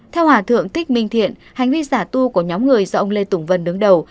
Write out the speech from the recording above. theo hòa thượng thích minh thiện hành vi giả tu của nhóm người do ông lê tùng vân đứng đầu